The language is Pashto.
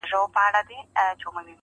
زما پر زړه دغه ګيله وه ښه دى تېره سوله,